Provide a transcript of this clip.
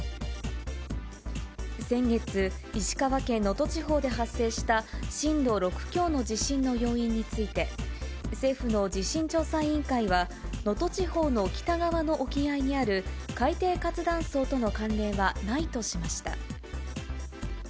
先月、石川県能登地方で発生した震度６強の地震の要因について、政府の地震調査委員会は能登地方の北側の沖合にある海底活断層との関連はないとしました。